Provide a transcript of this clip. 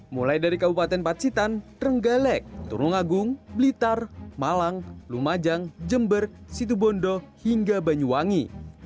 mulai dari kabupaten pacitan trenggalek tulungagung blitar malang lumajang jember situbondo hingga banyuwangi